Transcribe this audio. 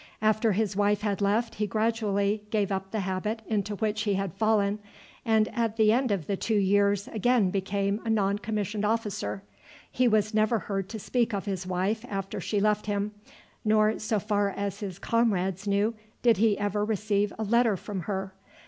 After his wife had left him he gradually gave up the habit into which he had fallen, and at the end of the two years again became a non commissioned officer. He was never heard to speak of his wife after she left him, nor so far as his comrades knew did he ever receive a letter from her.